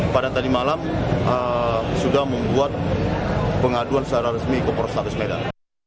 pada tadi malam sudah membuat pengaduan secara resmi ke polrestabes medan